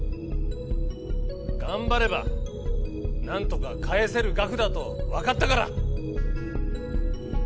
「頑張ればなんとか返せる額だと分かったから」。